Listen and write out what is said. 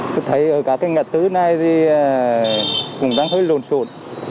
chúng tôi thấy ở các ngã tứ này thì cũng đang hơi lồn xộn